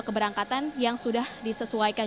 keberangkatan yang sudah disesuaikan